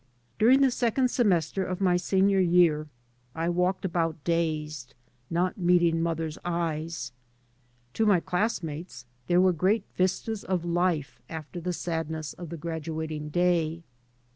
During the second semester of my senior year I walked about dazed, not meeting mother's eyes. To my classmates there were great vistas of life after the sadness of the graduating day.